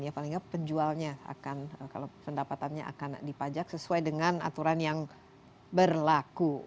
ya paling nggak pendapatannya akan dipajak sesuai dengan aturan yang berlaku